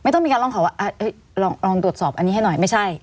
ต้องมีการร้องขอว่าลองตรวจสอบอันนี้ให้หน่อยไม่ใช่